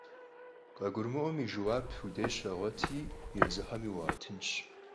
КъагурымыӀуэм и жэуап уи деж щрагъуэти, езыхэми уаӀэтынщ.